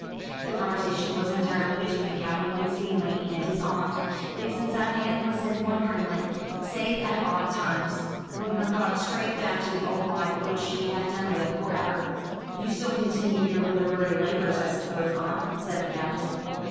The conversation was entirely between Captain Winstanley and his aunt. Vixen sat and listened wonderingly, save at odd times, when her thoughts strayed back to the old life which she had done with for ever. "You still continue your literary labours, I suppose, aunt," said the Captain.